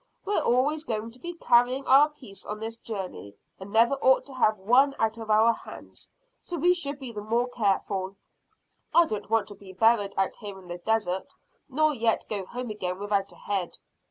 We're always going to be carrying our pieces on this journey, and never ought to have one out of our hands, so we should be the more careful. I don't want to be buried out here in the desert, nor yet go home again without a head.